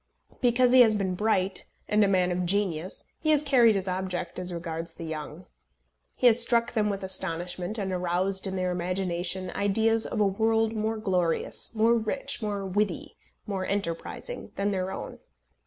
Because he has been bright and a man of genius, he has carried his object as regards the young. He has struck them with astonishment and aroused in their imagination ideas of a world more glorious, more rich, more witty, more enterprising, than their own.